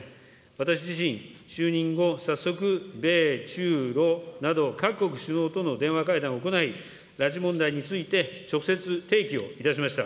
私自身、就任後、早速、米中ロなど各国首脳との電話会談を行い、拉致問題についてちょっせつ提起をいたしました。